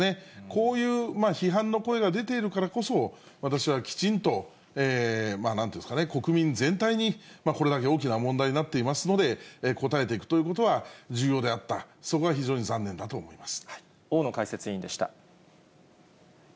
こういう批判の声が出ているからこそ、私はきちんとなんて言うんですかね、国民全体にこれだけ大きな問題になっていますので、応えていくということは重要であった、そこが非常に残念だと思います。